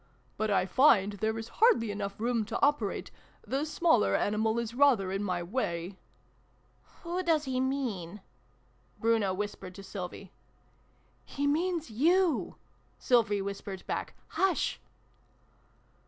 But I find there is hardly room enough to operate the smaller animal is rather in my way "<( Who does he mean ?" Bruno whispered to Sylvie. "He means you !" Sylvie whispered back. "Hush!"